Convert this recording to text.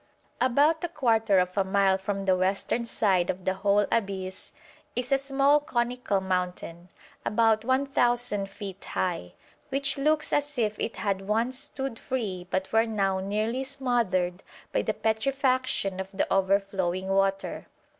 About a quarter of a mile from the western side of the whole abyss is a small conical mountain, about 1,000 feet high, which looks as if it had once stood free but were now nearly smothered by the petrifaction of the overflowing water.